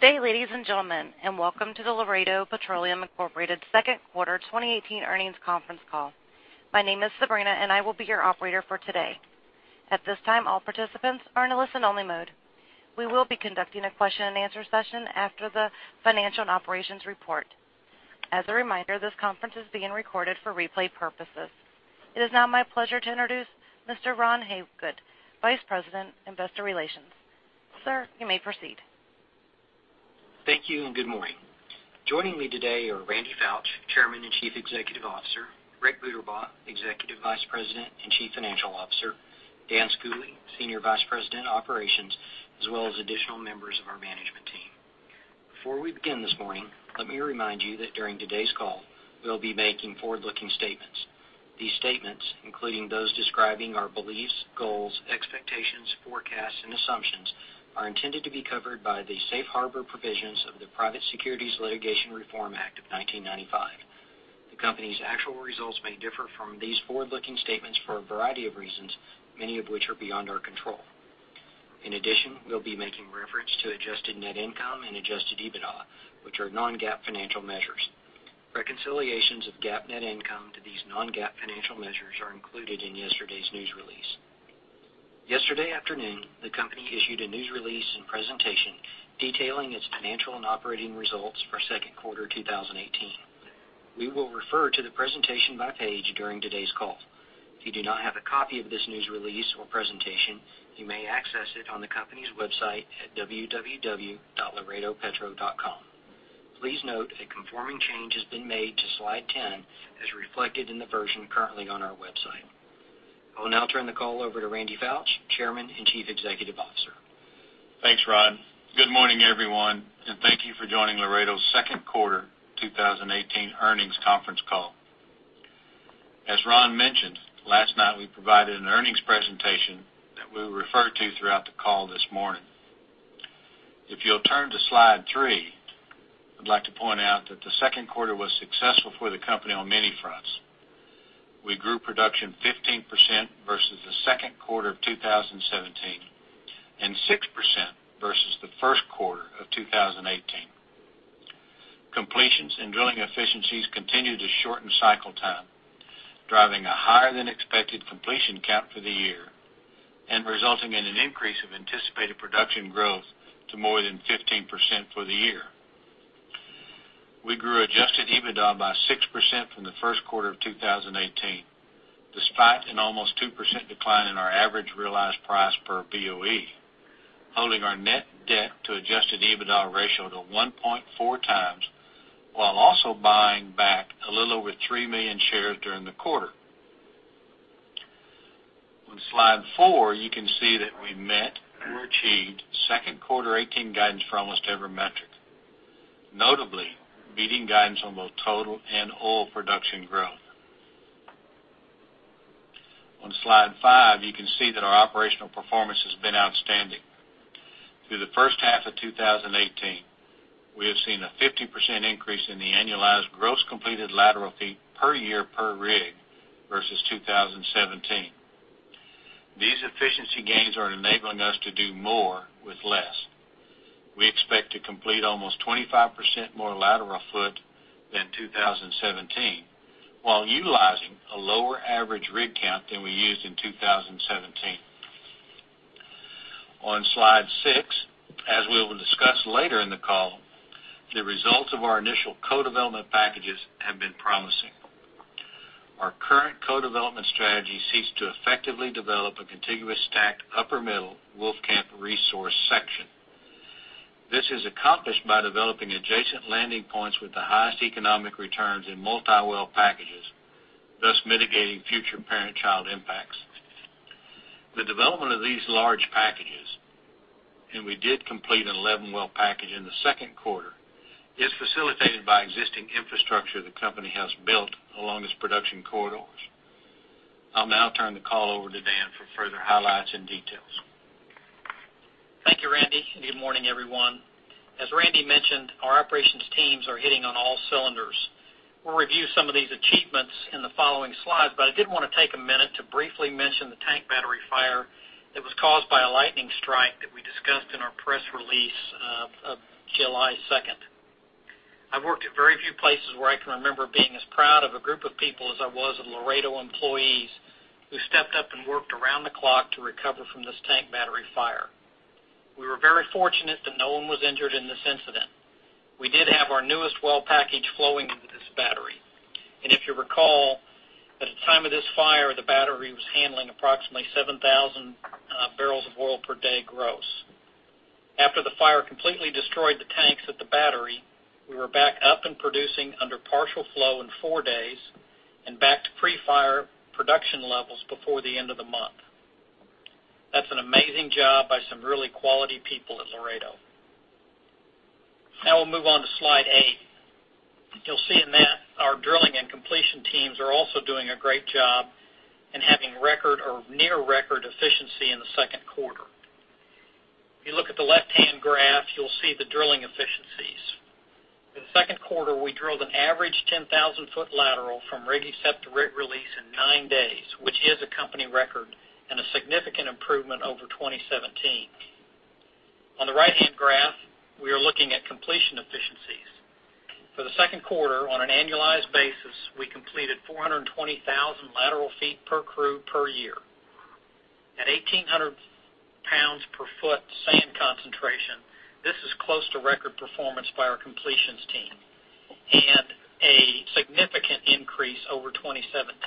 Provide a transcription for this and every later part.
Good day, ladies and gentlemen, and welcome to the Laredo Petroleum Incorporated second quarter 2018 earnings conference call. My name is Sabrina, and I will be your operator for today. At this time, all participants are in a listen-only mode. We will be conducting a question and answer session after the financial and operations report. As a reminder, this conference is being recorded for replay purposes. It is now my pleasure to introduce Mr. Ron Hagood, Vice President, Investor Relations. Sir, you may proceed. Thank you, and good morning. Joining me today are Randy A. Foutch, Chairman and Chief Executive Officer; Rick Buterbaugh, Executive Vice President and Chief Financial Officer; Dan Schooley, Senior Vice President, Operations, as well as additional members of our management team. Before we begin this morning, let me remind you that during today's call, we'll be making forward-looking statements. These statements, including those describing our beliefs, goals, expectations, forecasts, and assumptions, are intended to be covered by the safe harbor provisions of the Private Securities Litigation Reform Act of 1995. We'll be making reference to adjusted net income and adjusted EBITDA, which are non-GAAP financial measures. Reconciliations of GAAP net income to these non-GAAP financial measures are included in yesterday's news release. Yesterday afternoon, the company issued a news release and presentation detailing its financial and operating results for second quarter 2018. We will refer to the presentation by page during today's call. If you do not have a copy of this news release or presentation, you may access it on the company's website at www.laredopetro.com. Please note a conforming change has been made to slide 10 as reflected in the version currently on our website. I will now turn the call over to Randy A. Foutch, Chairman and Chief Executive Officer. Thanks, Ron. Good morning, everyone, and thank you for joining Laredo's second quarter 2018 earnings conference call. As Ron mentioned, last night we provided an earnings presentation that we will refer to throughout the call this morning. If you'll turn to slide three, I'd like to point out that the second quarter was successful for the company on many fronts. We grew production 15% versus the second quarter of 2017 and 6% versus the first quarter of 2018. Completions and drilling efficiencies continued to shorten cycle time, driving a higher-than-expected completion count for the year and resulting in an increase of anticipated production growth to more than 15% for the year. We grew adjusted EBITDA by 6% from the first quarter of 2018, despite an almost 2% decline in our average realized price per Boe, holding our net debt to adjusted EBITDA ratio to 1.4 times, while also buying back a little over 3 million shares during the quarter. On slide four, you can see that we met or achieved second quarter 2018 guidance for almost every metric, notably beating guidance on both total and oil production growth. On slide five, you can see that our operational performance has been outstanding. Through the first half of 2018, we have seen a 50% increase in the annualized gross completed lateral feet per year per rig versus 2017. These efficiency gains are enabling us to do more with less. We expect to complete almost 25% more lateral foot than 2017 while utilizing a lower average rig count than we used in 2017. On slide six, as we will discuss later in the call, the results of our initial co-development packages have been promising. Our current co-development strategy seeks to effectively develop a contiguous stacked upper middle Wolfcamp resource section. This is accomplished by developing adjacent landing points with the highest economic returns in multi-well packages, thus mitigating future parent-child impacts. The development of these large packages, and we did complete an 11-well package in the second quarter, is facilitated by existing infrastructure the company has built along its production corridors. I'll now turn the call over to Dan for further highlights and details. Thank you, Randy, and good morning, everyone. As Randy mentioned, our operations teams are hitting on all cylinders. We'll review some of these achievements in the following slides, but I did want to take a minute to briefly mention the tank battery fire that was caused by a lightning strike that we discussed in our press release of July 2nd. I've worked at very few places where I can remember being as proud of a group of people as I was of Laredo employees, who stepped up and worked around the clock to recover from this tank battery fire. We were very fortunate that no one was injured in this incident. We did have our newest well package flowing into this battery, and if you recall, at the time of this fire, the battery was handling approximately 7,000 barrels of oil per day gross. After the fire completely destroyed the tanks at the battery, we were back up and producing under partial flow in four days and back to pre-fire production levels before the end of the month. That's an amazing job by some really quality people at Laredo. Now we'll move on to slide eight. You'll see in that our drilling and completion teams are also doing a great job and having record or near record efficiency in the second quarter. If you look at the left-hand graph, you'll see the drilling efficiency Second quarter, we drilled an average 10,000-foot lateral from rig set to rig release in nine days, which is a company record and a significant improvement over 2017. On the right-hand graph, we are looking at completion efficiencies. For the second quarter, on an annualized basis, we completed 420,000 lateral feet per crew per year. At 1,800 pounds per foot sand concentration, this is close to record performance by our completions team and a significant increase over 2017.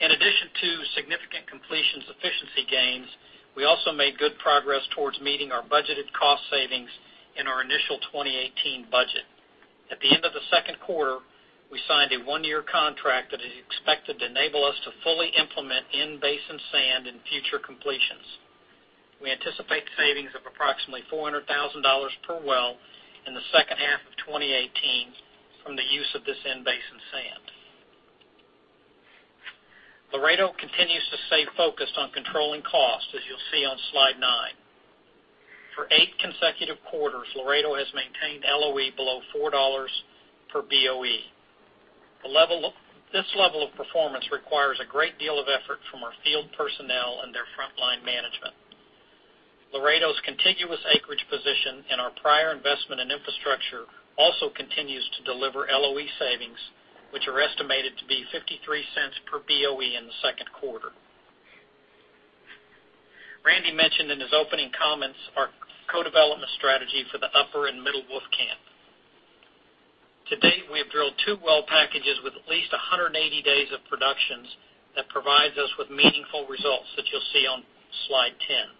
In addition to significant completions efficiency gains, we also made good progress towards meeting our budgeted cost savings in our initial 2018 budget. At the end of the second quarter, we signed a one-year contract that is expected to enable us to fully implement in-basin sand in future completions. We anticipate savings of approximately $400,000 per well in the second half of 2018 from the use of this in-basin sand. Laredo continues to stay focused on controlling costs, as you'll see on slide nine. For eight consecutive quarters, Laredo has maintained LOE below $4 per BOE. This level of performance requires a great deal of effort from our field personnel and their frontline management. Laredo's contiguous acreage position and our prior investment in infrastructure also continues to deliver LOE savings, which are estimated to be $0.53 per BOE in the second quarter. Randy mentioned in his opening comments our co-development strategy for the Upper and Middle Wolfcamp. To date, we have drilled two well packages with at least 180 days of productions that provides us with meaningful results that you'll see on slide 10.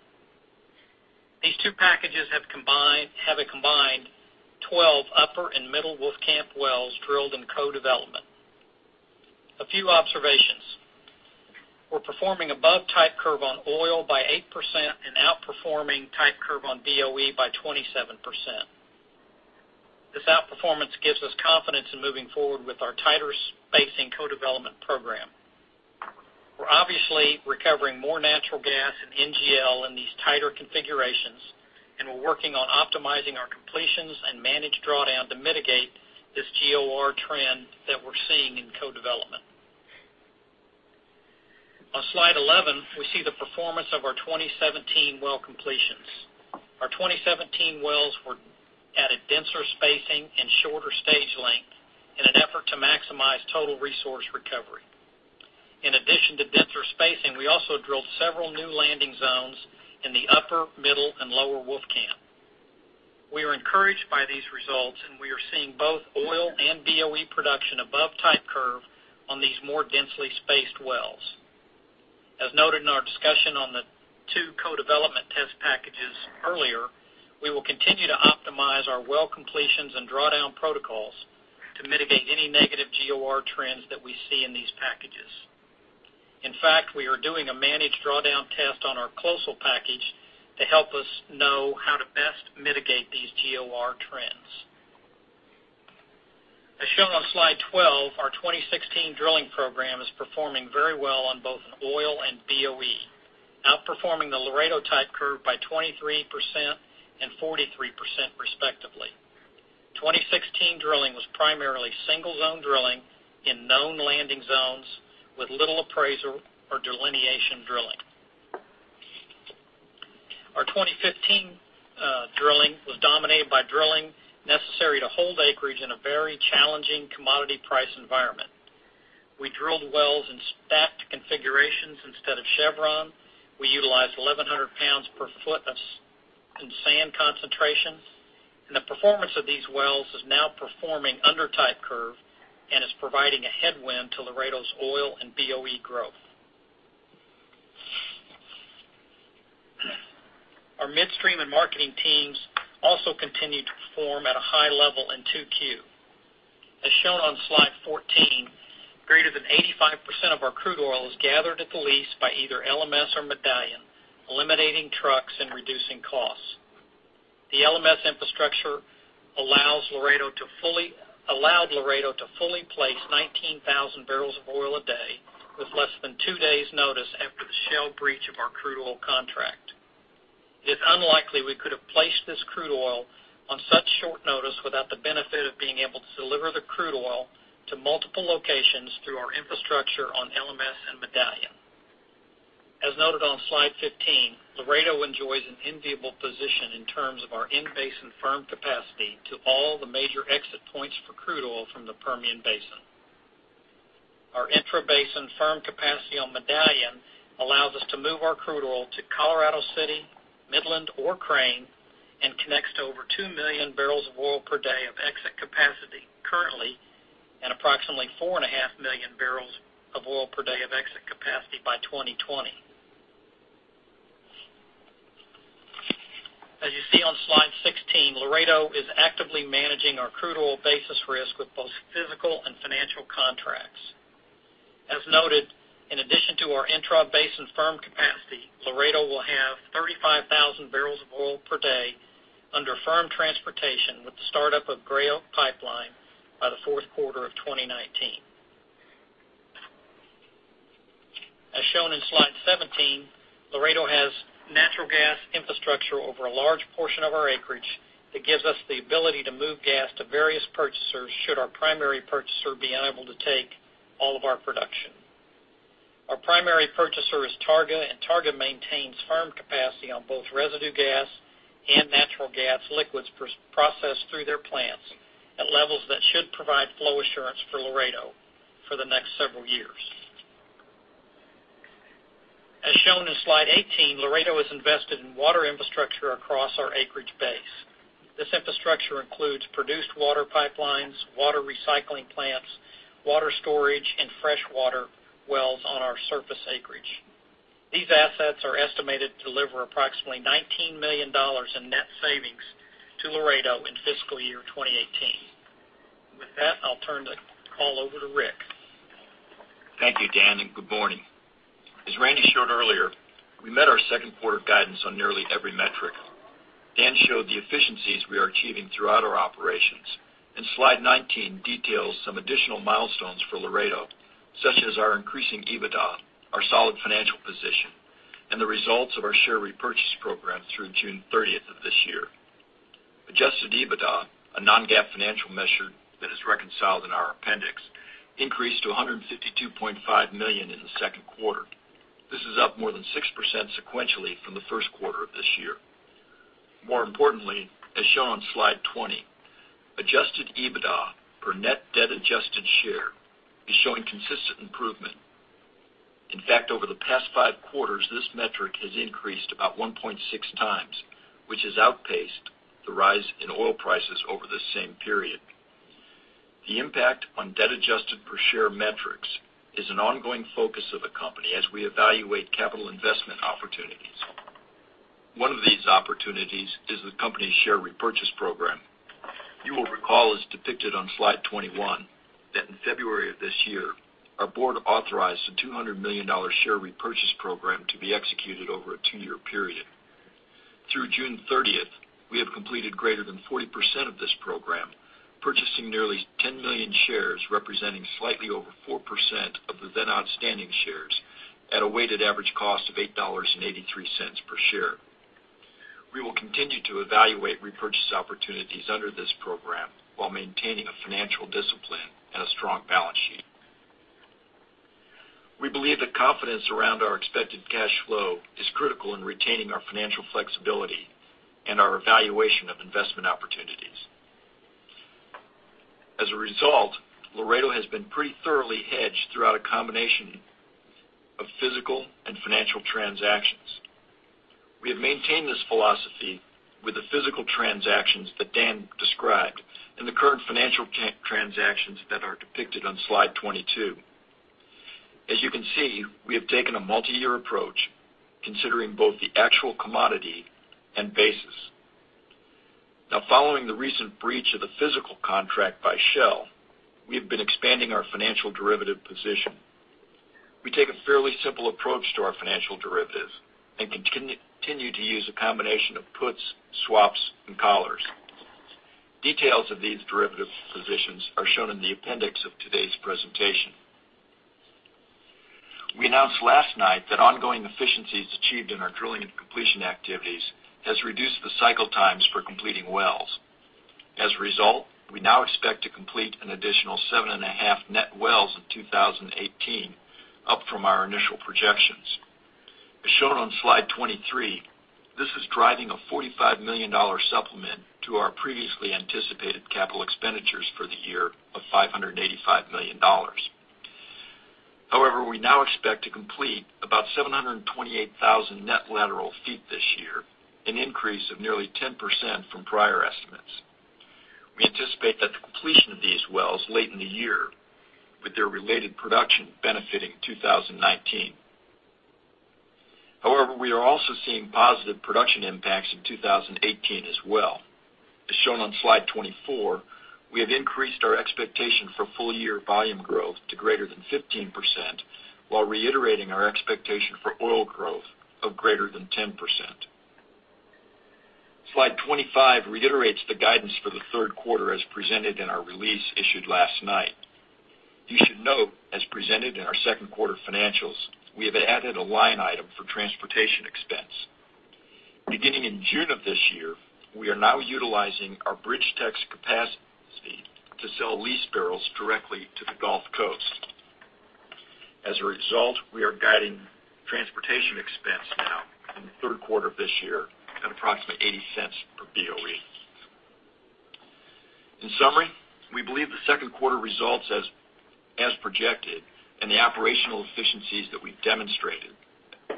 These two packages have a combined 12 Upper and Middle Wolfcamp wells drilled in co-development. A few observations. We're performing above type curve on oil by 8% and outperforming type curve on BOE by 27%. This outperformance gives us confidence in moving forward with our tighter spacing co-development program. We're obviously recovering more natural gas and NGL in these tighter configurations. We're working on optimizing our completions and managed drawdown to mitigate this GOR trend that we're seeing in co-development. On slide 11, we see the performance of our 2017 well completions. Our 2017 wells were at a denser spacing and shorter stage length in an effort to maximize total resource recovery. In addition to denser spacing, we also drilled several new landing zones in the Upper, Middle, and Lower Wolfcamp. We are encouraged by these results. We are seeing both oil and BOE production above type curve on these more densely spaced wells. As noted in our discussion on the two co-development test packages earlier, we will continue to optimize our well completions and drawdown protocols to mitigate any negative GOR trends that we see in these packages. We are doing a managed drawdown test on our Closner package to help us know how to best mitigate these GOR trends. As shown on slide 12, our 2016 drilling program is performing very well on both oil and BOE, outperforming the Laredo type curve by 23% and 43% respectively. 2016 drilling was primarily single-zone drilling in known landing zones with little appraisal or delineation drilling. Our 2015 drilling was dominated by drilling necessary to hold acreage in a very challenging commodity price environment. We drilled wells in stacked configurations instead of chevron. We utilized 1,100 pounds per foot in sand concentrations. The performance of these wells is now performing under type curve and is providing a headwind to Laredo's oil and BOE growth. Our midstream and marketing teams also continued to perform at a high level in 2Q. As shown on slide 14, greater than 85% of our crude oil is gathered at the lease by either LMS or Medallion, eliminating trucks and reducing costs. The LMS infrastructure allowed Laredo to fully place 19,000 barrels of oil a day with less than two days notice after the Shell breach of our crude oil contract. It's unlikely we could have placed this crude oil on such short notice without the benefit of being able to deliver the crude oil to multiple locations through our infrastructure on LMS and Medallion. As noted on slide 15, Laredo enjoys an enviable position in terms of our in-basin firm capacity to all the major exit points for crude oil from the Permian Basin. Our intrabasin firm capacity on Medallion allows us to move our crude oil to Colorado City, Midland, or Crane and connects to over two million barrels of oil per day of exit capacity currently, and approximately four and a half million barrels of oil per day of exit capacity by 2020. As you see on slide 16, Laredo is actively managing our crude oil basis risk with both physical and financial contracts. As noted, in addition to our intrabasin firm capacity, Laredo will have 35,000 barrels of oil per day under firm transportation with the startup of Gray Oak Pipeline by the fourth quarter of 2019. Shown in slide 17, Laredo has natural gas infrastructure over a large portion of our acreage that gives us the ability to move gas to various purchasers should our primary purchaser be unable to take all of our production. Our primary purchaser is Targa, and Targa maintains firm capacity on both residue gas and natural gas liquids processed through their plants at levels that should provide flow assurance for Laredo for the next several years. As shown in slide 18, Laredo has invested in water infrastructure across our acreage base. This infrastructure includes produced water pipelines, water recycling plants, water storage, and freshwater wells on our surface acreage. These assets are estimated to deliver approximately $19 million in net savings to Laredo in fiscal year 2018. With that, I'll turn the call over to Rick. Thank you, Dan, and good morning. As Randy showed earlier, we met our second quarter guidance on nearly every metric. Dan showed the efficiencies we are achieving throughout our operations. Slide 19 details some additional milestones for Laredo, such as our increasing EBITDA, our solid financial position, and the results of our share repurchase program through June 30th of this year. Adjusted EBITDA, a non-GAAP financial measure that is reconciled in our appendix, increased to $152.5 million in the second quarter. This is up more than 6% sequentially from the first quarter of this year. More importantly, as shown on slide 20, adjusted EBITDA per net debt adjusted share is showing consistent improvement. In fact, over the past five quarters, this metric has increased about 1.6 times, which has outpaced the rise in oil prices over the same period. The impact on debt adjusted per share metrics is an ongoing focus of the company as we evaluate capital investment opportunities. One of these opportunities is the company's share repurchase program. You will recall as depicted on slide 21, that in February of this year, our board authorized a $200 million share repurchase program to be executed over a two-year period. Through June 30th, we have completed greater than 40% of this program, purchasing nearly 10 million shares, representing slightly over 4% of the then outstanding shares at a weighted average cost of $8.83 per share. We will continue to evaluate repurchase opportunities under this program while maintaining a financial discipline and a strong balance sheet. We believe the confidence around our expected cash flow is critical in retaining our financial flexibility and our evaluation of investment opportunities. Laredo has been pretty thoroughly hedged throughout a combination of physical and financial transactions. We have maintained this philosophy with the physical transactions that Dan described and the current financial transactions that are depicted on slide 22. As you can see, we have taken a multi-year approach considering both the actual commodity and basis. Following the recent breach of the physical contract by Shell, we have been expanding our financial derivative position. We take a fairly simple approach to our financial derivative and continue to use a combination of puts, swaps, and collars. Details of these derivative positions are shown in the appendix of today's presentation. We announced last night that ongoing efficiencies achieved in our drilling and completion activities has reduced the cycle times for completing wells. We now expect to complete an additional seven and a half net wells in 2018, up from our initial projections. As shown on slide 23, this is driving a $45 million supplement to our previously anticipated capital expenditures for the year of $585 million. We now expect to complete about 728,000 net lateral feet this year, an increase of nearly 10% from prior estimates. We anticipate that the completion of these wells late in the year with their related production benefiting 2019. We are also seeing positive production impacts in 2018 as well. As shown on slide 24, we have increased our expectation for full year volume growth to greater than 15%, while reiterating our expectation for oil growth of greater than 10%. Slide 25 reiterates the guidance for the third quarter as presented in our release issued last night. You should note as presented in our second quarter financials, we have added a line item for transportation expense. Beginning in June of this year, we are now utilizing our BridgeTex capacity to sell lease barrels directly to the Gulf Coast. We are guiding transportation expense now in the third quarter of this year at approximately $0.80 per BOE. We believe the second quarter results as projected and the operational efficiencies that we've demonstrated,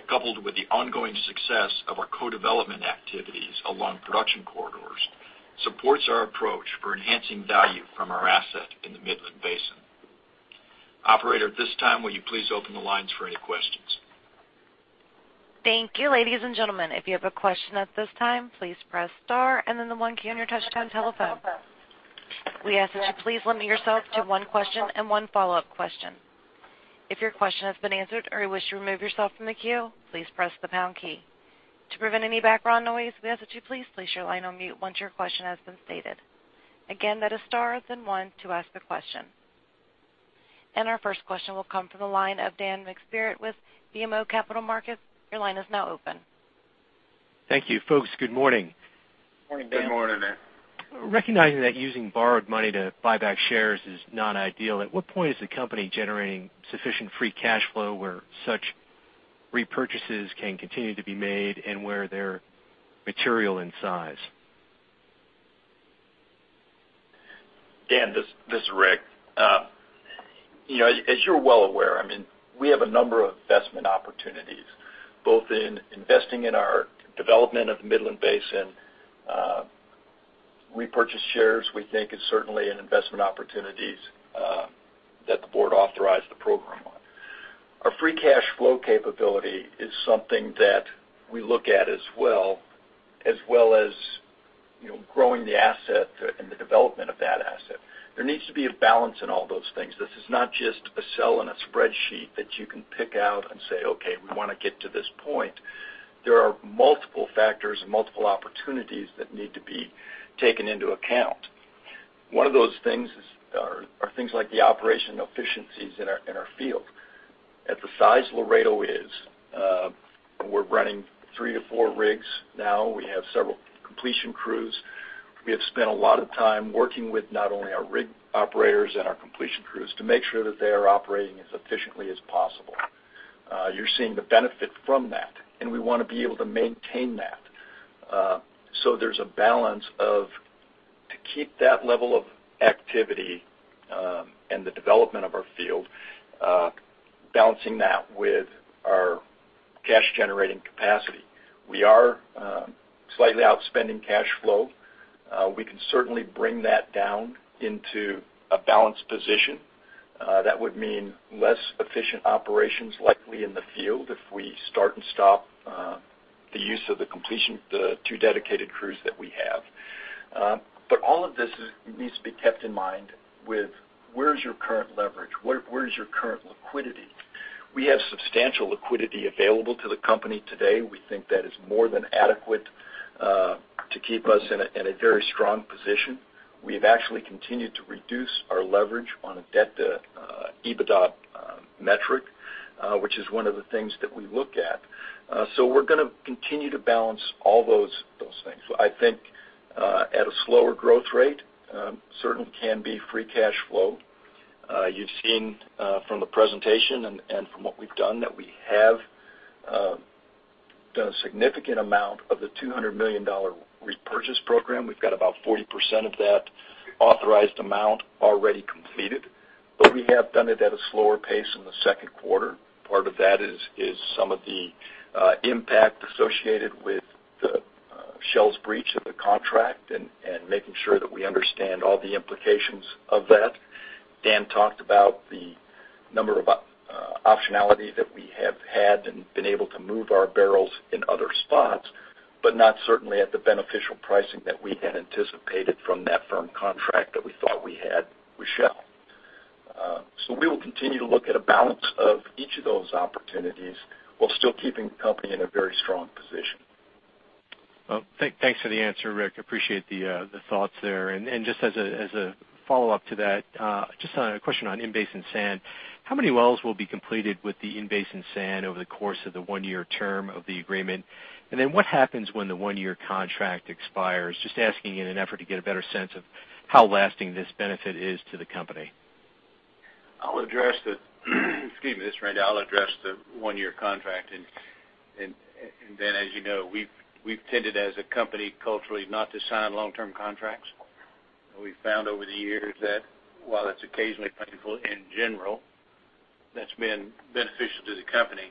coupled with the ongoing success of our co-development activities along production corridors, supports our approach for enhancing value from our asset in the Midland Basin. Operator, at this time, will you please open the lines for any questions? Thank you, ladies and gentlemen. If you have a question at this time, please press star and then the one key on your touchtone telephone. We ask that you please limit yourself to one question and one follow-up question. If your question has been answered or you wish to remove yourself from the queue, please press the pound key. To prevent any background noise, we ask that you please place your line on mute once your question has been stated. Again, that is star then one to ask the question. Our first question will come from the line of Dan McSpirit with BMO Capital Markets. Your line is now open. Thank you. Folks, good morning. Morning, Dan. Good morning. Recognizing that using borrowed money to buy back shares is not ideal, at what point is the company generating sufficient free cash flow where such repurchases can continue to be made and where they're material in size? Dan, this is Rick. As you're well aware, we have a number of investment opportunities, both in investing in our development of the Midland Basin. Repurchase shares, we think is certainly an investment opportunity that the board authorized the program on. Our free cash flow capability is something that we look at as well, as well as growing the asset and the development of that asset. There needs to be a balance in all those things. This is not just a cell in a spreadsheet that you can pick out and say, "Okay, we want to get to this point." There are multiple factors and multiple opportunities that need to be taken into account. One of those things are things like the operation efficiencies in our field. At the size Laredo is, we're running three to four rigs now. We have several completion crews. We have spent a lot of time working with not only our rig operators and our completion crews to make sure that they are operating as efficiently as possible. You're seeing the benefit from that. We want to be able to maintain that. There's a balance of to keep that level of activity and the development of our field, balancing that with our cash-generating capacity. We are slightly outspending cash flow. We can certainly bring that down into a balanced position. That would mean less efficient operations likely in the field if we start and stop the use of the completion, the two dedicated crews that we have. All of this needs to be kept in mind with where is your current leverage? Where is your current liquidity? We have substantial liquidity available to the company today. We think that is more than adequate to keep us in a very strong position. We have actually continued to reduce our leverage on a debt-to-EBITDA metric, which is one of the things that we look at. We're going to continue to balance all those things. I think at a slower growth rate, certainly can be free cash flow. You've seen from the presentation and from what we've done that we have done a significant amount of the $200 million repurchase program. We've got about 40% of that authorized amount already completed. We have done it at a slower pace in the second quarter. Part of that is some of the impact associated with Shell's breach of the contract and making sure that we understand all the implications of that. Dan talked about the number of optionality that we have had and been able to move our barrels in other spots, but not certainly at the beneficial pricing that we had anticipated from that firm contract that we thought we had with Shell. We will continue to look at a balance of each of those opportunities while still keeping the company in a very strong position. Thanks for the answer, Rick. Appreciate the thoughts there. Just as a follow-up to that, just a question on in-basin sand. How many wells will be completed with the in-basin sand over the course of the one-year term of the agreement? Then what happens when the one-year contract expires? Just asking in an effort to get a better sense of how lasting this benefit is to the company. Randy, I'll address the one-year contract, then as you know, we've tended as a company culturally not to sign long-term contracts. We've found over the years that while it's occasionally painful in general, that's been beneficial to the company.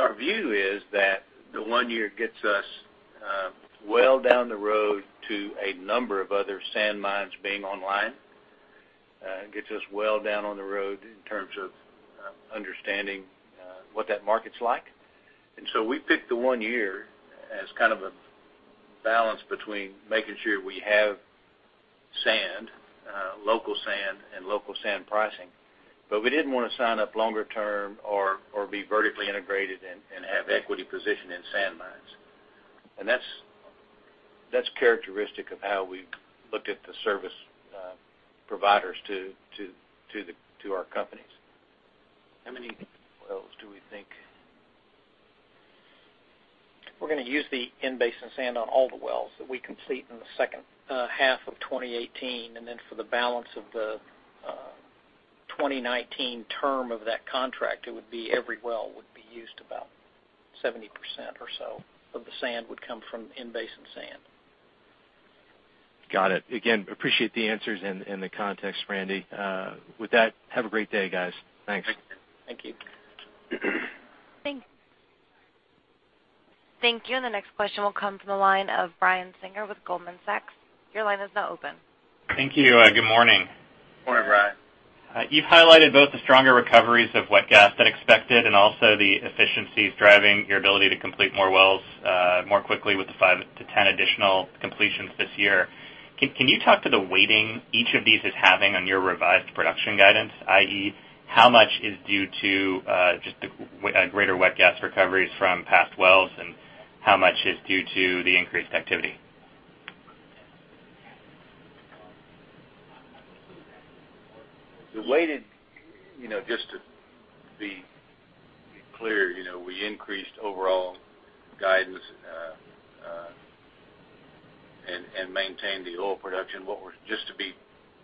Our view is that the one year gets us well down the road to a number of other sand mines being online. Gets us well down on the road in terms of understanding what that market's like. We picked the one year as kind of a balance between making sure we have sand, local sand, and local sand pricing. We didn't want to sign up longer term or be vertically integrated and have equity position in sand mines. That's characteristic of how we've looked at the service providers to our companies. How many wells do we think? We're going to use the in-basin sand on all the wells that we complete in the second half of 2018, then for the balance of the 2019 term of that contract, it would be every well would be used about 70% or so of the sand would come from in-basin sand. Got it. Again, appreciate the answers and the context, Randy. With that, have a great day, guys. Thanks. Thank you. Thank you. Thank you. The next question will come from the line of Brian Singer with Goldman Sachs. Your line is now open. Thank you. Good morning. Morning, Brian. You've highlighted both the stronger recoveries of wet gas than expected and also the efficiencies driving your ability to complete more wells more quickly with the five to 10 additional completions this year. Can you talk to the weighting each of these is having on your revised production guidance, i.e., how much is due to just the greater wet gas recoveries from past wells, and how much is due to the increased activity? Just to be clear, we increased overall guidance and maintained the oil production. Just to be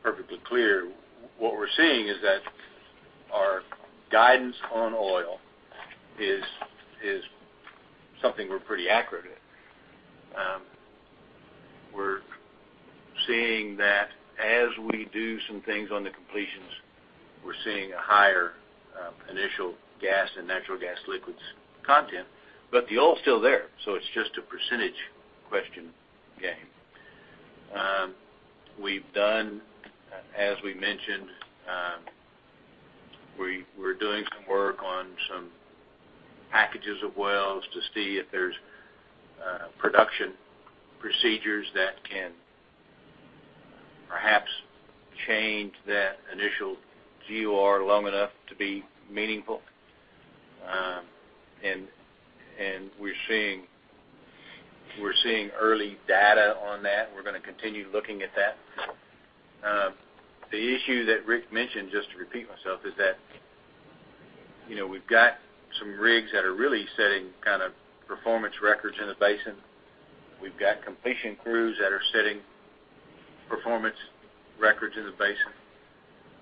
perfectly clear, what we're seeing is that our guidance on oil is something we're pretty accurate at. We're seeing that as we do some things on the completions, we're seeing a higher initial gas and natural gas liquids content, but the oil's still there, so it's just a percentage question game. We've done, as we mentioned, we're doing some work on some packages of wells to see if there's production procedures that can perhaps change that initial GOR long enough to be meaningful. We're seeing early data on that, and we're going to continue looking at that. The issue that Rick mentioned, just to repeat myself, is that we've got some rigs that are really setting performance records in the basin. We've got completion crews that are setting performance records in the basin.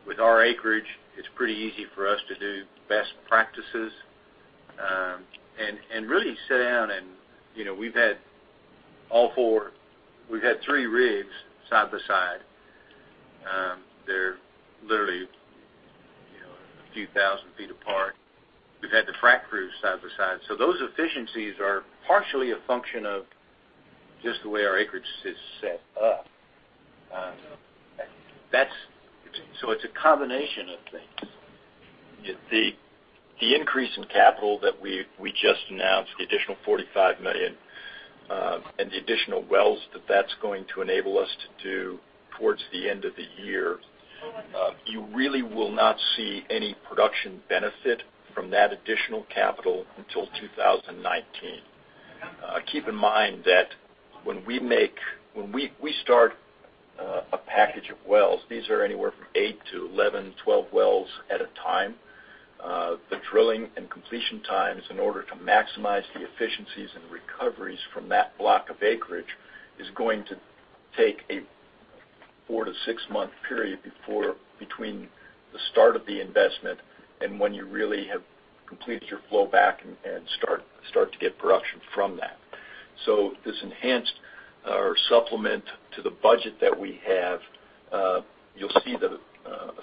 With our acreage, it's pretty easy for us to do best practices, and really sit down and we've had 3 rigs side by side. They're literally a few thousand feet apart. We've had the frack crews side by side. Those efficiencies are partially a function of just the way our acreage is set up. It's a combination of things. The increase in capital that we just announced, the additional $45 million, and the additional wells that that's going to enable us to do towards the end of the year, you really will not see any production benefit from that additional capital until 2019. Keep in mind that when we start a package of wells, these are anywhere from eight to 11, 12 wells at a time. The drilling and completion times, in order to maximize the efficiencies and recoveries from that block of acreage, is going to take a four to six-month period between the start of the investment and when you really have completed your flow back and start to get production from that. This enhanced or supplement to the budget that we have, you'll see the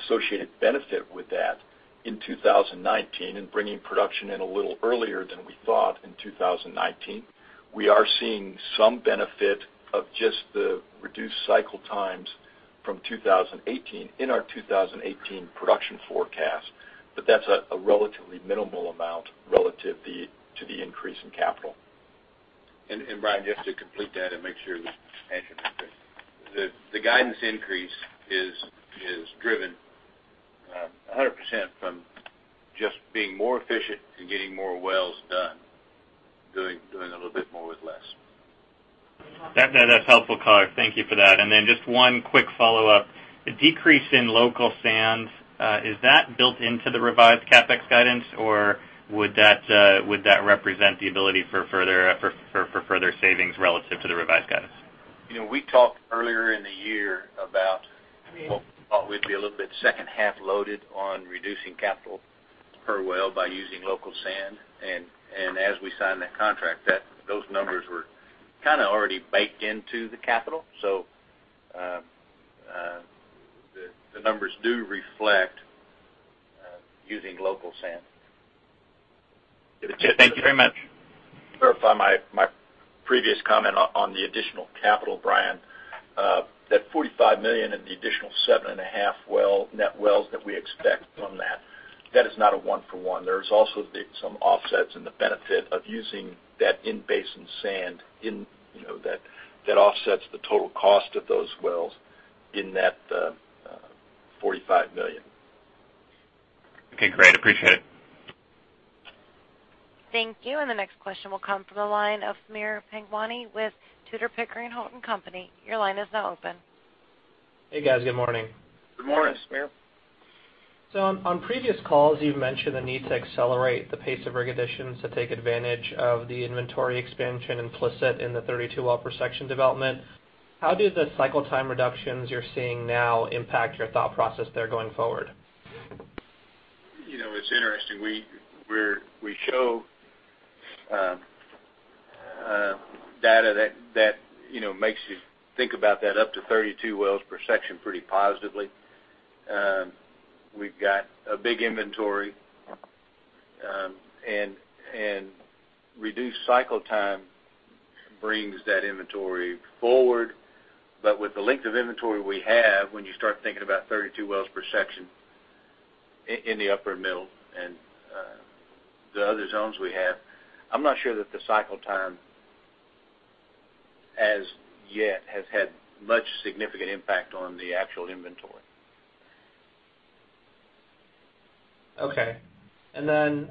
associated benefit with that in 2019 and bringing production in a little earlier than we thought in 2019. We are seeing some benefit of just the reduced cycle times from 2018 in our 2018 production forecast, but that's a relatively minimal amount relative to the increase in capital. Brian, just to complete that and make sure the expansion is there. The guidance increase is driven 100% from just being more efficient and getting more wells done, doing a little bit more with less. That's helpful color. Thank you for that. Then just one quick follow-up. The decrease in local sand, is that built into the revised CapEx guidance, or would that represent the ability for further savings relative to the revised guidance? We talked earlier in the year about thought we'd be a little bit second-half loaded on reducing capital per well by using local sand. As we signed that contract, those numbers were already baked into the capital. The numbers do reflect using local sand. Thank you very much. To clarify my previous comment on the additional capital, Brian, that $45 million and the additional seven and a half net wells that we expect from that is not a one for one. There is also some offsets and the benefit of using that in-basin sand that offsets the total cost of those wells in that $45 million. Okay, great. Appreciate it. Thank you. The next question will come from the line of Sameer Panjwani with Tudor, Pickering, Holt & Co.. Your line is now open. Hey, guys. Good morning. Good morning, Sameer. On previous calls, you've mentioned the need to accelerate the pace of rig additions to take advantage of the inventory expansion implicit in the 32 well per section development. How do the cycle time reductions you're seeing now impact your thought process there going forward? It's interesting. We show data that makes you think about that up to 32 wells per section pretty positively. We've got a big inventory, and reduced cycle time brings that inventory forward. With the length of inventory we have, when you start thinking about 32 wells per section In the Upper Wolfcamp and the other zones we have. I'm not sure that the cycle time as yet has had much significant impact on the actual inventory. Okay. Then,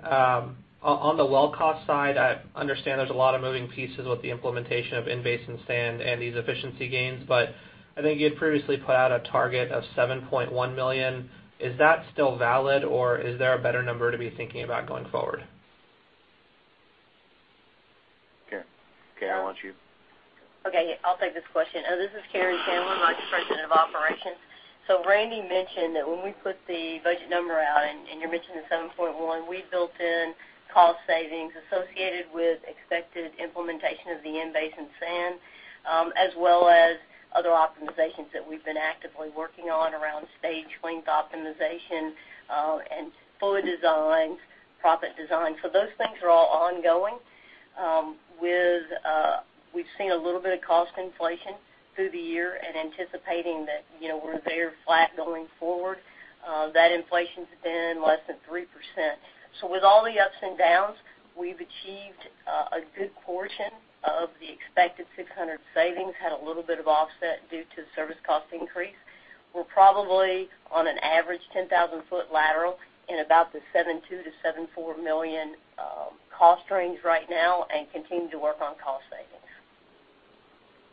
on the well cost side, I understand there's a lot of moving pieces with the implementation of in-basin sand and these efficiency gains, but I think you had previously put out a target of $7.1 million. Is that still valid, or is there a better number to be thinking about going forward? Karen? Karen, why don't you. Okay, yeah, I'll take this question. This is Karen Chandler, vice president of operations. Randy mentioned that when we put the budget number out, and you're mentioning $7.1, we built in cost savings associated with expected implementation of the in-basin sand, as well as other optimizations that we've been actively working on around stage length optimization, and fluid designs, proppant design. Those things are all ongoing. We've seen a little bit of cost inflation through the year and anticipating that we're very flat going forward. That inflation's been less than 3%. With all the ups and downs, we've achieved a good portion of the expected 600 savings, had a little bit of offset due to service cost increase. We're probably on an average 10,000-foot lateral in about the $7.2 million-$7.4 million cost range right now and continue to work on cost savings.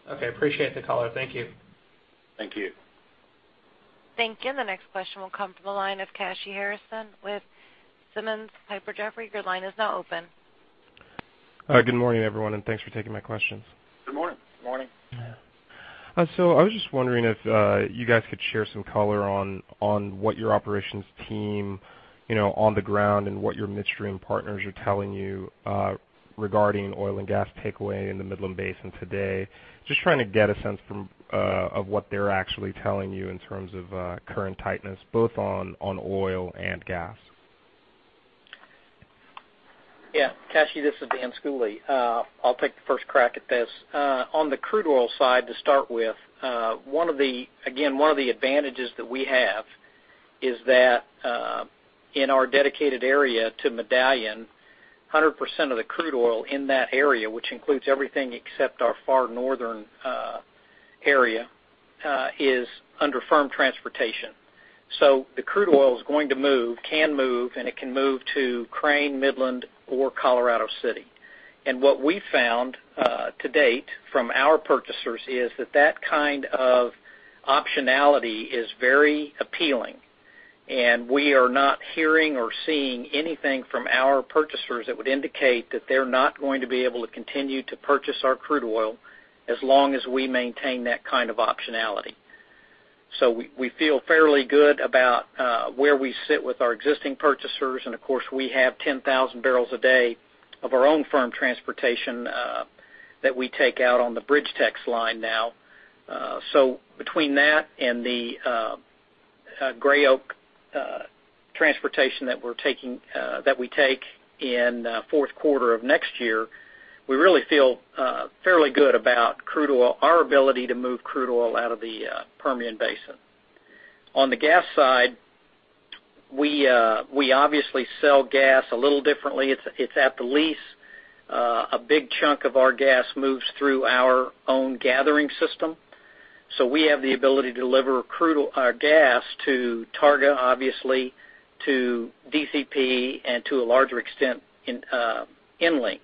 Okay. Appreciate the color. Thank you. Thank you. Thank you. The next question will come from the line of Kashy Harrison with Simmons & Piper Jaffray. Your line is now open. Good morning, everyone, and thanks for taking my questions. Good morning. Good morning. I was just wondering if you guys could share some color on what your operations team on the ground and what your midstream partners are telling you regarding oil and gas takeaway in the Midland Basin today. Just trying to get a sense of what they're actually telling you in terms of current tightness, both on oil and gas. Yeah. Kashy, this is Dan Schooley. I'll take the first crack at this. On the crude oil side to start with, again, one of the advantages that we have is that in our dedicated area to Medallion, 100% of the crude oil in that area, which includes everything except our far northern area, is under firm transportation. The crude oil is going to move, can move, and it can move to Crane, Midland, or Colorado City. What we've found to date from our purchasers is that that kind of optionality is very appealing, and we are not hearing or seeing anything from our purchasers that would indicate that they're not going to be able to continue to purchase our crude oil as long as we maintain that kind of optionality. We feel fairly good about where we sit with our existing purchasers, and of course we have 10,000 barrels a day of our own firm transportation that we take out on the BridgeTex line now. Between that and the Gray Oak transportation that we take in fourth quarter of next year, we really feel fairly good about our ability to move crude oil out of the Permian Basin. On the gas side, we obviously sell gas a little differently. It's at the lease. A big chunk of our gas moves through our own gathering system. We have the ability to deliver gas to Targa, obviously, to DCP, and to a larger extent, EnLink.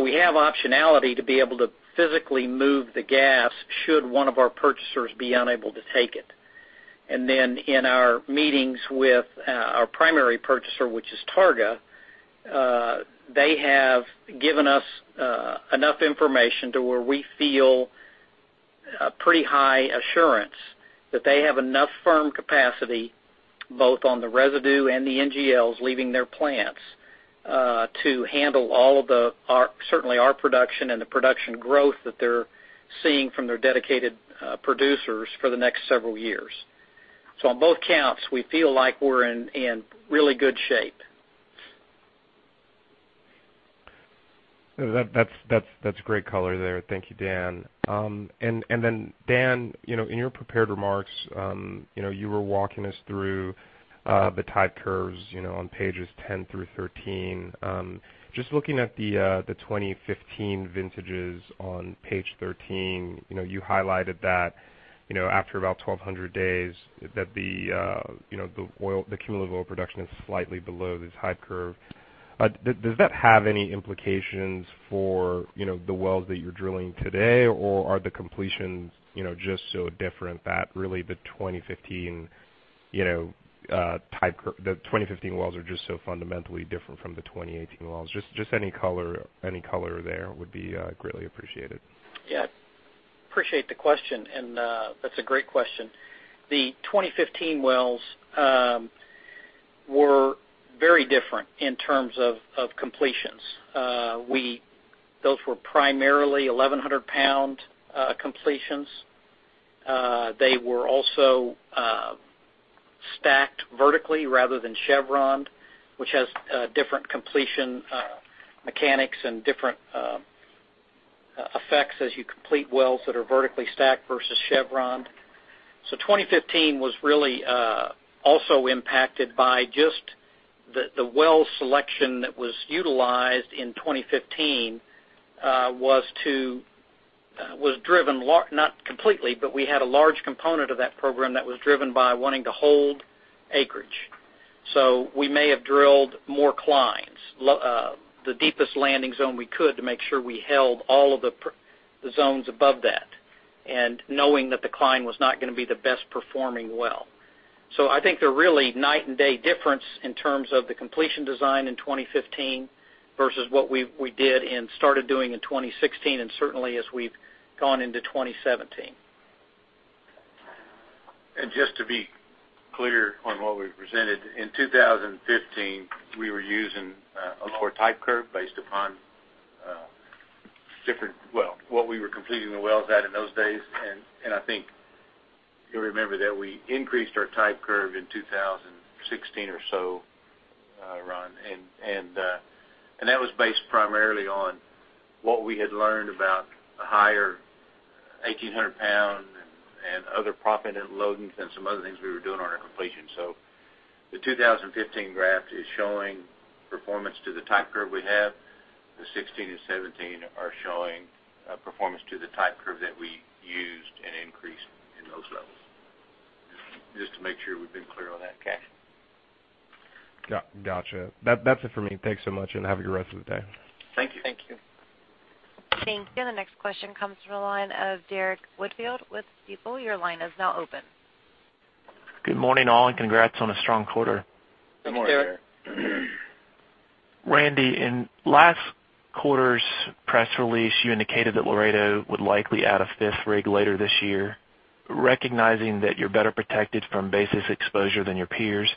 We have optionality to be able to physically move the gas should one of our purchasers be unable to take it. Then in our meetings with our primary purchaser, which is Targa, they have given us enough information to where we feel a pretty high assurance that they have enough firm capacity, both on the residue and the NGLs leaving their plants, to handle all of certainly our production and the production growth that they're seeing from their dedicated producers for the next several years. On both counts, we feel like we're in really good shape. That's great color there. Thank you, Dan. Dan, in your prepared remarks, you were walking us through the type curves on pages 10 through 13. Just looking at the 2015 vintages on page 13, you highlighted that after about 1,200 days, that the cumulative oil production is slightly below the type curve. Does that have any implications for the wells that you're drilling today, or are the completions just so different that really the 2015 wells are just so fundamentally different from the 2018 wells? Just any color there would be greatly appreciated. Yeah. Appreciate the question, and that's a great question. The 2015 wells were very different in terms of completions. Those were primarily 1,100 pound completions. They were also stacked vertically rather than chevroned, which has different completion mechanics and different effects as you complete wells that are vertically stacked versus chevron. 2015 was really also impacted by just the well selection that was utilized in 2015, was driven, not completely, but we had a large component of that program that was driven by wanting to hold acreage. We may have drilled more Clines, the deepest landing zone we could to make sure we held all of the zones above that, and knowing that the Cline was not going to be the best performing well. I think they're really night and day difference in terms of the completion design in 2015 versus what we did and started doing in 2016, and certainly as we've gone into 2017. Just to be clear on what we presented. In 2015, we were using a lower type curve based upon different, well, what we were completing the wells at in those days, and I think you'll remember that we increased our type curve in 2016 or so, Ron, and that was based primarily on what we had learned about the higher 1,800 pound and other proppant loadings and some other things we were doing on our completion. The 2015 graph is showing performance to the type curve we have. The 2016 and 2017 are showing performance to the type curve that we used and increased in those levels. Just to make sure we've been clear on that. Okay? Gotcha. That's it for me. Thanks so much, and have a good rest of the day. Thank you. Thank you. Thank you. The next question comes from the line of Derrick Whitfield with Stifel. Your line is now open. Good morning, all, congrats on a strong quarter. Good morning, Derrick. Thank you. Randy, in last quarter's press release, you indicated that Laredo Petroleum would likely add a fifth rig later this year. Recognizing that you're better protected from basis exposure than your peers,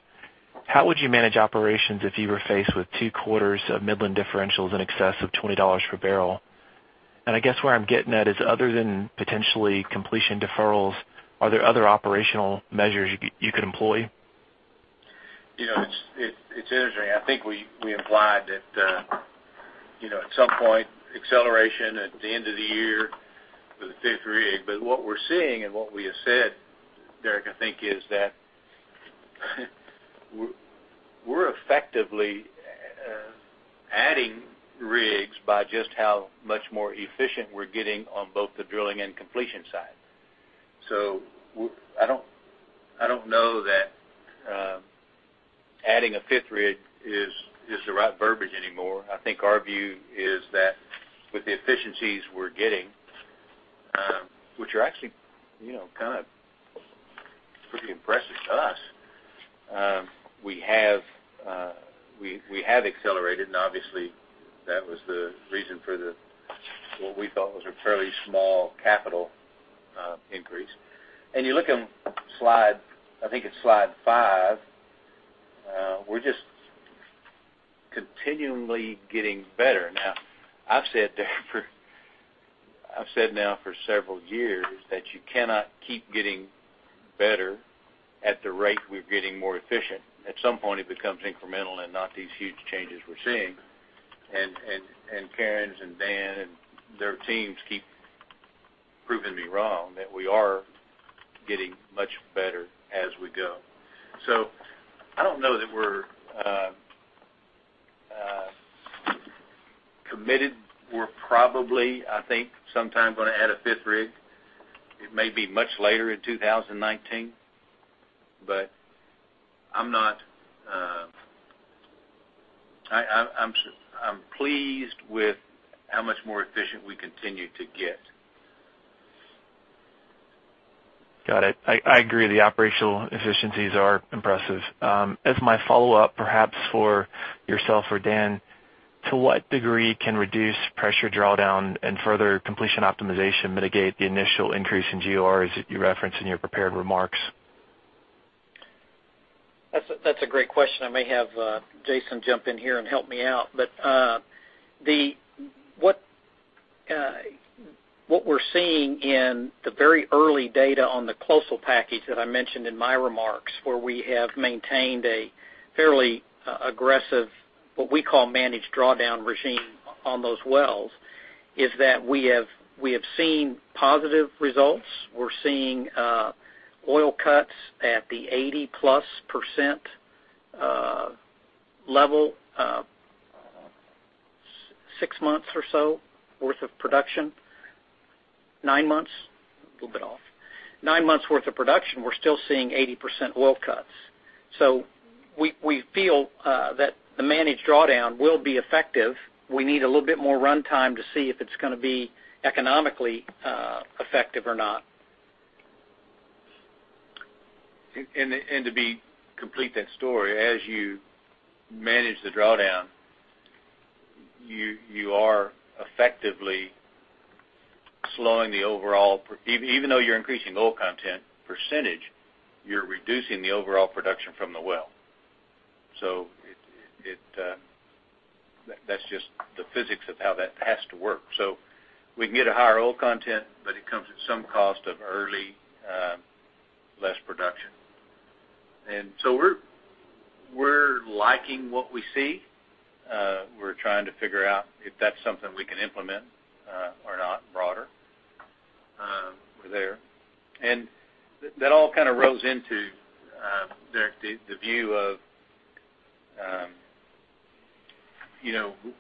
how would you manage operations if you were faced with two quarters of Midland differentials in excess of $20 per barrel? I guess where I'm getting at is, other than potentially completion deferrals, are there other operational measures you could employ? It's interesting. I think we implied that at some point, acceleration at the end of the year for the fifth rig. What we're seeing and what we have said, Derrick, I think, is that we're effectively adding rigs by just how much more efficient we're getting on both the drilling and completion side. I don't know that adding a fifth rig is the right verbiage anymore. I think our view is that with the efficiencies we're getting, which are actually pretty impressive to us, we have accelerated, and obviously, that was the reason for what we thought was a fairly small capital increase. You look on slide, I think it's slide five, we're just continually getting better. I've said now for several years that you cannot keep getting better at the rate we're getting more efficient. At some point, it becomes incremental and not these huge changes we're seeing. Karen and Dan and their teams keep proving me wrong, that we are getting much better as we go. I don't know that we're committed. We're probably, I think, sometime going to add a fifth rig. It may be much later in 2019. I'm pleased with how much more efficient we continue to get. Got it. I agree. The operational efficiencies are impressive. As my follow-up, perhaps for yourself or Dan, to what degree can reduced pressure drawdown and further completion optimization mitigate the initial increase in GOR as you referenced in your prepared remarks? That's a great question. I may have Jason jump in here and help me out. What we're seeing in the very early data on the Closner package that I mentioned in my remarks, where we have maintained a fairly aggressive, what we call managed drawdown regime on those wells, is that we have seen positive results. We're seeing oil cuts at the 80+% level, six months or so worth of production. Nine months? A little bit off. Nine months worth of production, we're still seeing 80% oil cuts. We feel that the managed drawdown will be effective. We need a little bit more runtime to see if it's going to be economically effective or not. To complete that story, as you manage the drawdown, you are effectively slowing the overall. Even though you're increasing oil content percentage, you're reducing the overall production from the well. That's just the physics of how that has to work. We can get a higher oil content, but it comes at some cost of early. We're liking what we see. We're trying to figure out if that's something we can implement or not broader. We're there. That all kind of rose into the view of,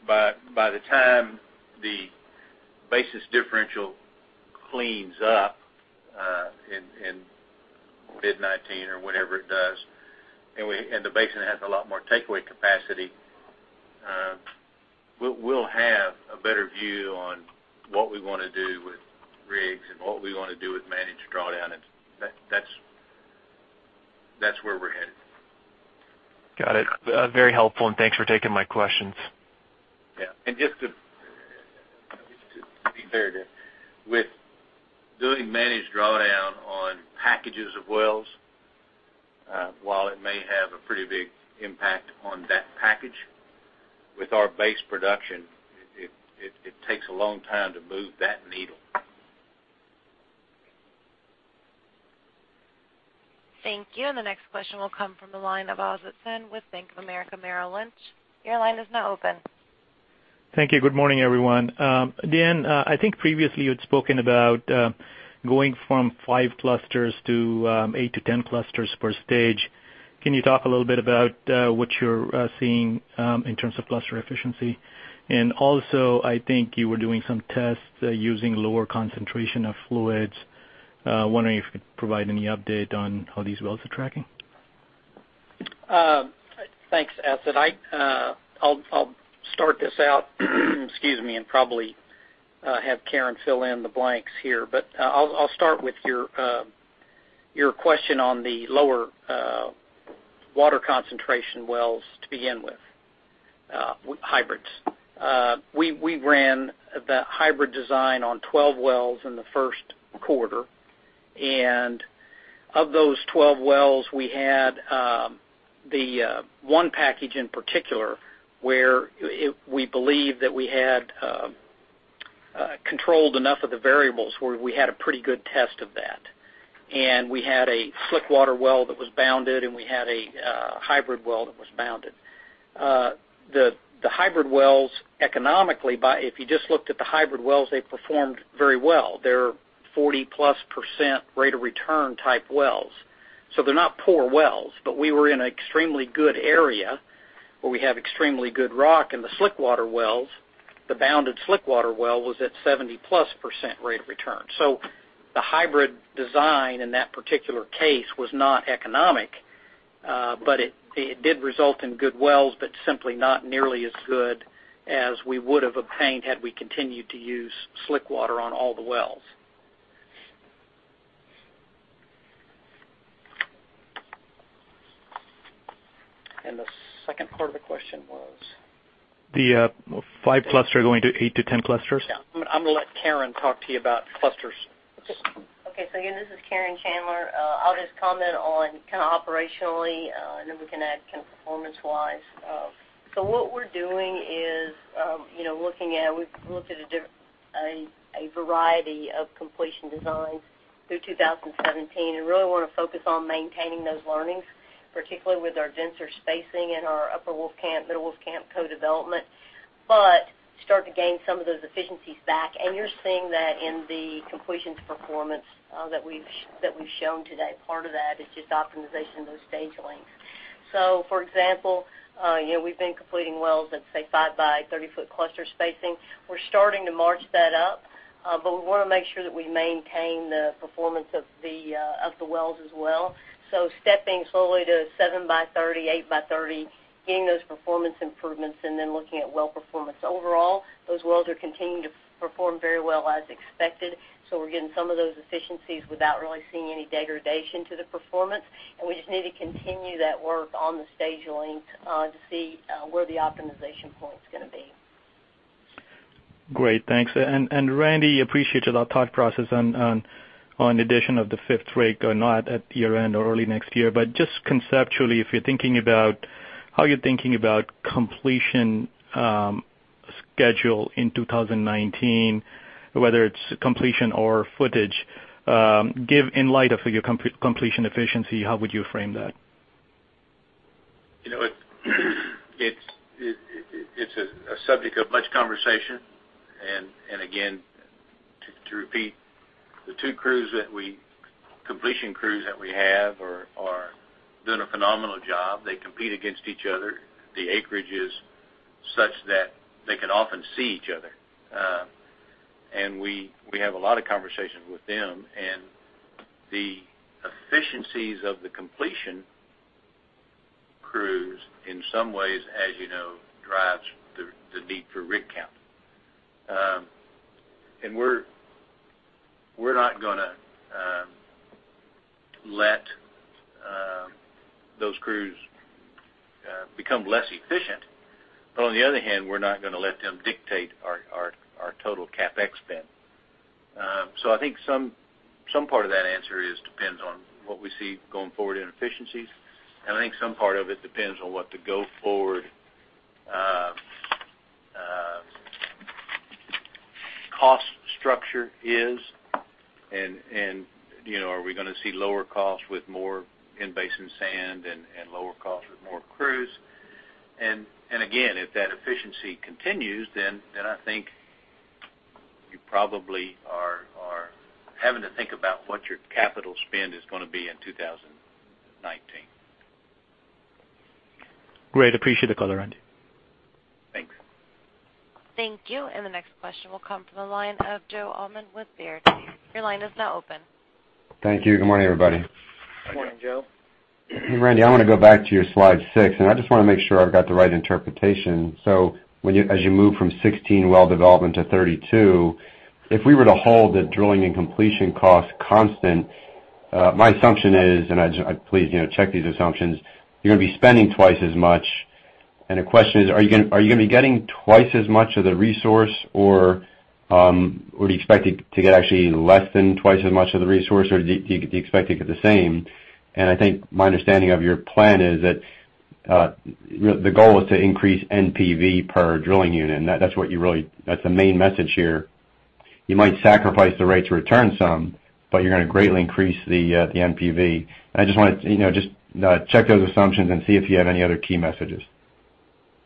by the time the basis differential cleans up in mid 2019 or whenever it does, and the basin has a lot more takeaway capacity, we'll have a better view on what we want to do with rigs and what we want to do with managed drawdown. That's where we're headed. Got it. Very helpful, and thanks for taking my questions. Yeah. Just to be fair, with doing managed drawdown on packages of wells, while it may have a pretty big impact on that package, with our base production, it takes a long time to move that needle. Thank you. The next question will come from the line of Asad Syed with Bank of America Merrill Lynch. Your line is now open. Thank you. Good morning, everyone. Dan, I think previously you'd spoken about going from 5 clusters to 8 to 10 clusters per stage. Can you talk a little bit about what you're seeing in terms of cluster efficiency? Also, I think you were doing some tests using lower concentration of fluids. Wondering if you could provide any update on how these wells are tracking. Thanks, Asad. I'll start this out, excuse me, and probably have Karen fill in the blanks here. I'll start with your question on the lower water concentration wells to begin with, hybrids. We ran the hybrid design on 12 wells in the first quarter, and of those 12 wells, we had the 1 package in particular, where we believe that we had controlled enough of the variables, where we had a pretty good test of that. We had a slick water well that was bounded, and we had a hybrid well that was bounded. The hybrid wells, economically, if you just looked at the hybrid wells, they performed very well. They're 40-plus% rate of return type wells. They're not poor wells, but we were in an extremely good area where we have extremely good rock in the slick water wells. The bounded slick water well was at 70-plus% rate of return. The hybrid design in that particular case was not economic. It did result in good wells, but simply not nearly as good as we would have obtained had we continued to use slick water on all the wells. The second part of the question was? The 5 cluster going to 8 to 10 clusters. Yeah. I'm going to let Karen talk to you about clusters. Okay, again, this is Karen Chandler. I'll just comment on operationally, then we can add performance-wise. What we're doing is looking at a variety of completion designs through 2017, really want to focus on maintaining those learnings, particularly with our denser spacing in our Upper Wolfcamp, Middle Wolfcamp co-development. Start to gain some of those efficiencies back, and you're seeing that in the completions performance that we've shown today. Part of that is just optimization of those stage lengths. For example, we've been completing wells at, say, five by 30 foot cluster spacing. We're starting to march that up, but we want to make sure that we maintain the performance of the wells as well. Stepping slowly to seven by 30, eight by 30, getting those performance improvements, then looking at well performance overall. Those wells are continuing to perform very well as expected. We're getting some of those efficiencies without really seeing any degradation to the performance. We just need to continue that work on the stage length to see where the optimization point's going to be. Great. Thanks. Randy, appreciate your thought process on addition of the fifth rig or not at year-end or early next year. Just conceptually, how you're thinking about completion schedule in 2019, whether it's completion or footage, in light of your completion efficiency, how would you frame that? It's a subject of much conversation. Again, to repeat, the two completion crews that we have are doing a phenomenal job. They compete against each other. The acreage is such that they can often see each other. We have a lot of conversations with them. The efficiencies of the completion crews, in some ways, as you know, drives the need for rig count. We're not gonna let those crews become less efficient. On the other hand, we're not gonna let them dictate our total CapEx spend. I think some part of that answer is depends on what we see going forward in efficiencies. I think some part of it depends on what the go forward cost structure is. Are we going to see lower costs with more in-basin sand and lower costs with more crews? Again, if that efficiency continues, I think you probably are having to think about what your capital spend is going to be in 2019. Great. Appreciate the color, Randy. Thanks. Thank you. The next question will come from the line of Joe Allman with Baird. Your line is now open. Thank you. Good morning, everybody. Morning, Joe. Randy, I want to go back to your slide six, and I just want to make sure I've got the right interpretation. As you move from 16 well development to 32, if we were to hold the drilling and completion cost constant, my assumption is, and please, check these assumptions, you're going to be spending twice as much. The question is, are you going to be getting twice as much of the resource, or do you expect to get actually less than twice as much of the resource, or do you expect to get the same? I think my understanding of your plan is that the goal is to increase NPV per drilling unit, and that's the main message here. You might sacrifice the rate to return some, but you're going to greatly increase the NPV. I just want to check those assumptions and see if you have any other key messages.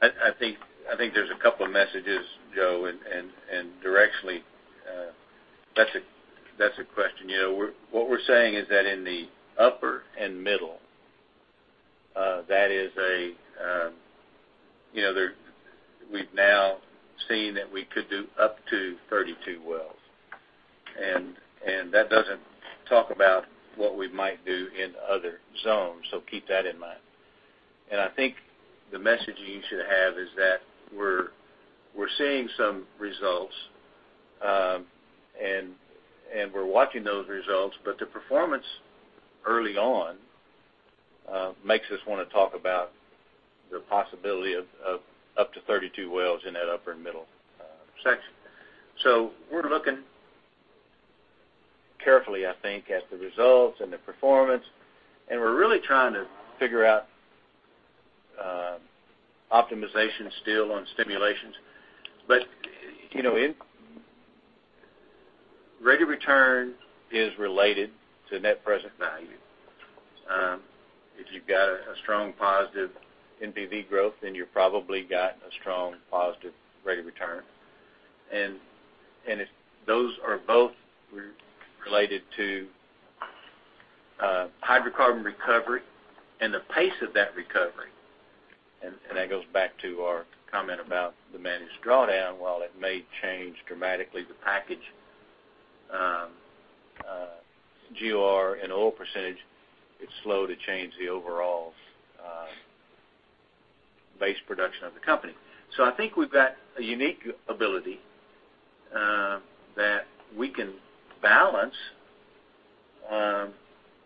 I think there's a couple of messages, Joe, directionally, that's a question. What we're saying is that in the Upper and Middle, we've now seen that we could do up to 32 wells. That doesn't talk about what we might do in other zones, so keep that in mind. I think the message you should have is that we're seeing some results, and we're watching those results, but the performance early on, makes us want to talk about the possibility of up to 32 wells in that Upper and Middle section. We're looking carefully, I think, at the results and the performance, and we're really trying to figure out optimization still on stimulations. Rate of return is related to net present value. If you've got a strong positive NPV growth, you probably got a strong positive rate of return. If those are both related to hydrocarbon recovery and the pace of that recovery, and that goes back to our comment about the managed drawdown, while it may change dramatically the package GOR and oil percentage, it's slow to change the overall base production of the company. I think we've got a unique ability that we can balance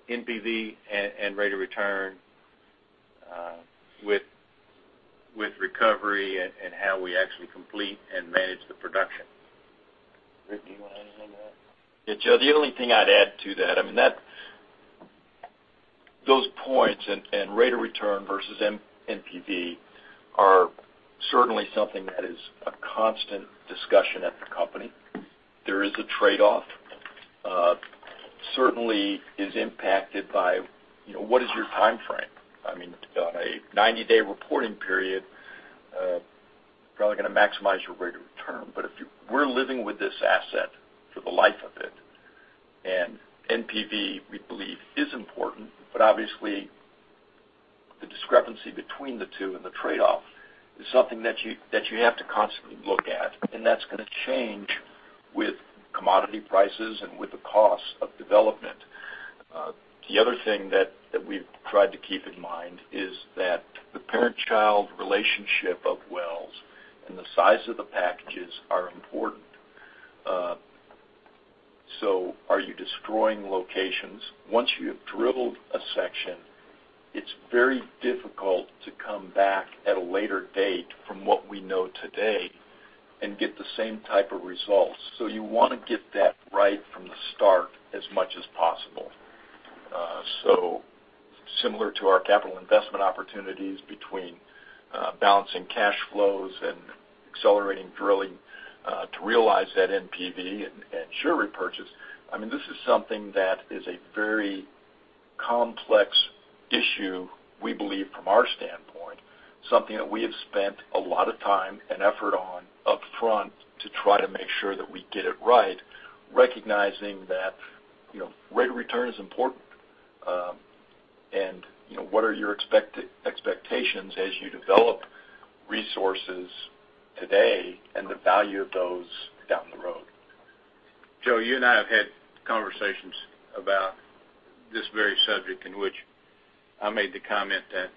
NPV and rate of return with recovery and how we actually complete and manage the production. Rick, do you want to add anything to that? Yeah, Joe, the only thing I'd add to that, those points and rate of return versus NPV are certainly something that is a constant discussion at the company. There is a trade-off. Certainly is impacted by what is your time frame? A 90-day reporting period, probably going to maximize your rate of return. If we're living with this asset for the life of it, and NPV, we believe, is important. Obviously, the discrepancy between the two and the trade-off is something that you have to constantly look at, and that's going to change with commodity prices and with the cost of development. The other thing that we've tried to keep in mind is that the parent-child relationship of wells and the size of the packages are important. Are you destroying locations? Once you've drilled a section, it's very difficult to come back at a later date from what we know today and get the same type of results. You want to get that right from the start as much as possible. Similar to our capital investment opportunities between balancing cash flows and accelerating drilling, to realize that NPV and share repurchase, this is something that is a very complex issue, we believe from our standpoint. Something that we have spent a lot of time and effort on upfront to try to make sure that we get it right, recognizing that rate of return is important. What are your expectations as you develop resources today and the value of those down the road? Joe, you and I have had conversations about this very subject in which I made the comment that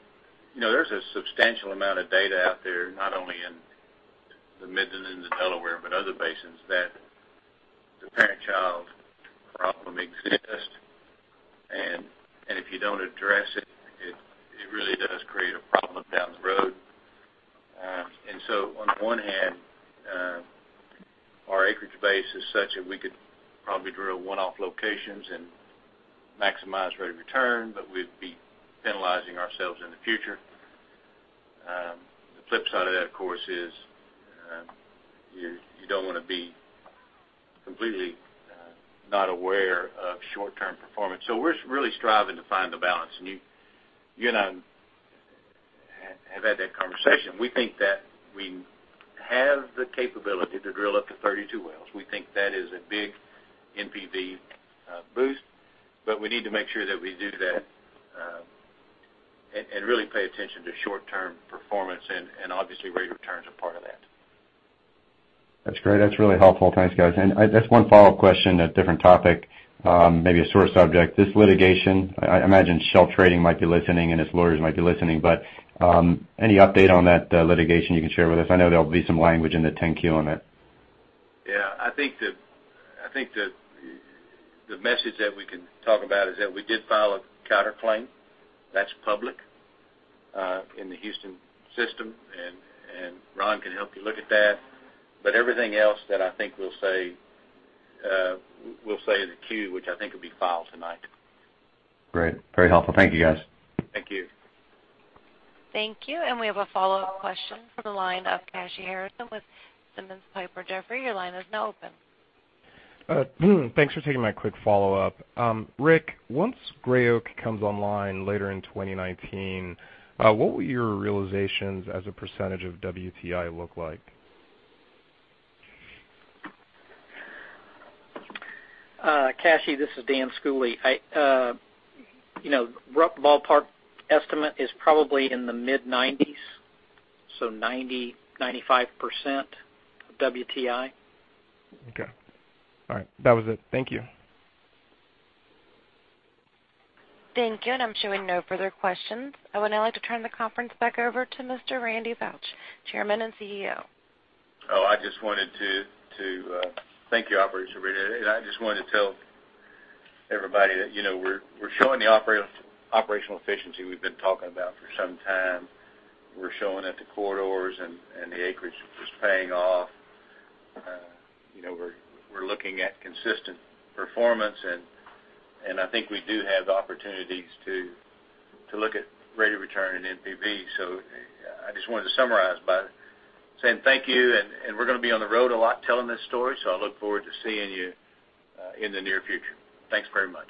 there's a substantial amount of data out there, not only in the Midland and the Delaware, but other basins, that the parent-child problem exists, and if you don't address it really does create a problem down the road. On one hand, our acreage base is such that we could probably drill one-off locations and maximize rate of return, but we'd be penalizing ourselves in the future. The flip side of that, of course, is you don't want to be completely not aware of short-term performance. We're really striving to find the balance. You and I have had that conversation. We think that we have the capability to drill up to 32 wells. We think that is a big NPV boost, but we need to make sure that we do that, and really pay attention to short-term performance and obviously rate of returns are part of that. That's great. That's really helpful. Thanks, guys. Just one follow-up question, a different topic, maybe a sore subject. This litigation, I imagine Shell Trading might be listening, and its lawyers might be listening, but any update on that litigation you can share with us? I know there'll be some language in the 10-Q on it. Yeah, I think the message that we can talk about is that we did file a counterclaim. That's public in the Houston system, and Ron can help you look at that. Everything else that I think we'll say in the Q, which I think will be filed tonight. Great. Very helpful. Thank you, guys. Thank you. Thank you. We have a follow-up question from the line of Kashy Harrison with Simmons & Piper Jaffray. Your line is now open. Thanks for taking my quick follow-up. Rick, once Gray Oak comes online later in 2019, what will your realizations as a % of WTI look like? Kashy, this is Dan Schooley. Rough ballpark estimate is probably in the mid-90s, so 90%, 95% of WTI. Okay. All right. That was it. Thank you. Thank you. I'm showing no further questions. I would now like to turn the conference back over to Mr. Randy Foutch, Chairman and CEO. Thank you, operator Sabrina. I just wanted to tell everybody that we're showing the operational efficiency we've been talking about for some time. We're showing that the corridors and the acreage is paying off. We're looking at consistent performance, and I think we do have the opportunities to look at rate of return and NPV. I just wanted to summarize by saying thank you, and we're going to be on the road a lot telling this story, so I look forward to seeing you in the near future. Thanks very much.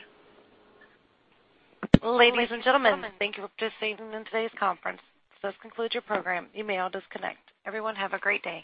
Ladies and gentlemen, thank you for participating in today's conference. This concludes your program. You may all disconnect. Everyone have a great day.